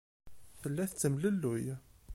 Tella tettemlelluy.